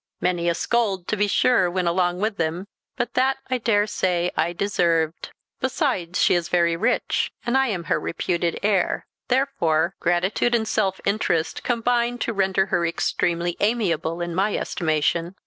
Many a scold, to be sure, went along with them; but that, I daresay, I deserved. Besides, she is very rich, and I am her reputed heir; therefore gratitude and self interest combine to render her extremely amiable in my estimation."